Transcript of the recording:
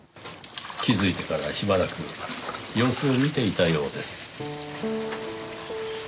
気づいてからしばらく様子を見ていたようです。